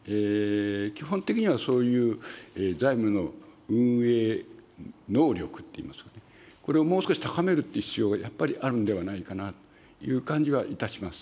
基本的には、そういう財務の運営能力といいますかね、これをもう少し高めるっていう必要が、やっぱりあるんではないかなという感じはいたします。